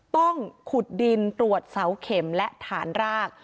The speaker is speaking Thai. ต้องขุดดินตรวจเสาเข็มและฐานราก